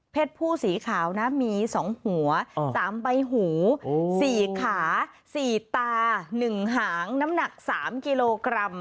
ผู้สีขาวนะมี๒หัว๓ใบหู๔ขา๔ตา๑หางน้ำหนัก๓กิโลกรัม